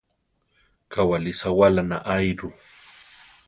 Kawáli sawála naáiru.